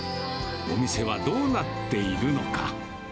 お店はどうなっているのか。